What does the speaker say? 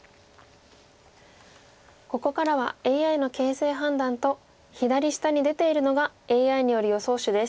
ここからはＡＩの形勢判断と左下に出ているのがＡＩによる予想手です。